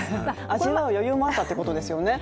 味わう余裕もあったということですね。